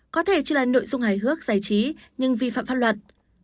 có thể chỉ là nội dung hài hước giải trí nhưng vi phạm pháp luật